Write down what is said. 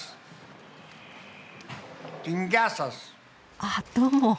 あっどうも。